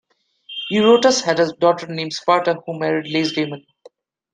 Eurotas had a daughter named Sparta, who married Lacedaemon.